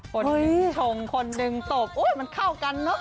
คนชงคนดึงตบมันเข้ากันเนอะ